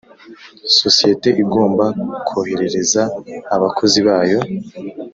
sosiyete igomba koherereza abakozi bayo